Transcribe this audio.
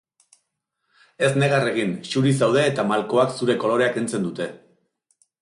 Ez negar egin, xuri zaude eta malkoak zure kolorea kentzen dute.